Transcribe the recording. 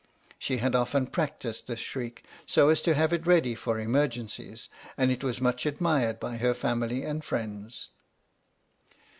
She had often practised this shriek, so as to have it ready for emergeacies, 68 H.M.S. "PINAFORE" and it was much admired by her family and friends.